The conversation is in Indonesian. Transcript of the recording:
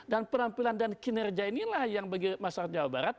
dan penampilan dan kinerja inilah yang bagi masyarakat jawa barat